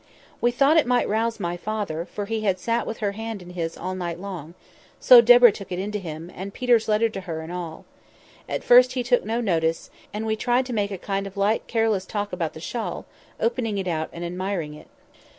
"We thought it might rouse my father, for he had sat with her hand in his all night long; so Deborah took it in to him, and Peter's letter to her, and all. At first, he took no notice; and we tried to make a kind of light careless talk about the shawl, opening it out and admiring it.